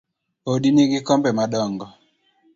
Odi nigi kombe madongo